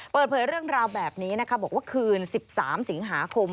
เปิดเผยเรื่องราวแบบนี้นะคะบอกว่าคืน๑๓สิงหาคม